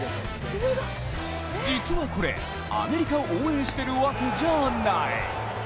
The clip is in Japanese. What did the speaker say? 実はこれ、アメリカを応援しているわけじゃない。